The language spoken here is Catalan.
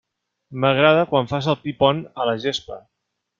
M'agrada quan fas el pi pont a la gespa.